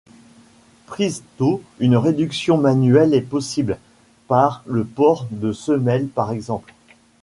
Prise tôt, une réduction manuelle est possible, par le port de semelles par exemple.